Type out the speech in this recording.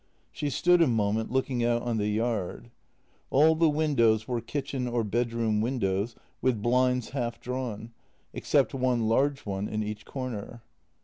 She stood a moment looking out on the yard. All the windows were kitchen or bedroom windows with blinds half drawn, except one large one in each corner.